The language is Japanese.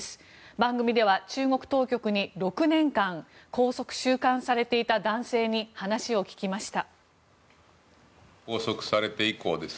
番組では中国当局に６年間、拘束・収監されていた男性に話を聞きました。